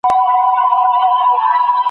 که ښه خلک حاکمان شي، عدل به راشي.